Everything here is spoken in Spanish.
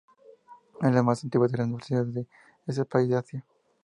Es la más antigua de las universidades de ese país de Asia.